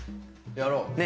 やろう！ね！